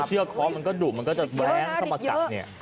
เอาเชื้อคอมมันก็ดุมันก็จะแว้งเข้ามากัดเนี่ย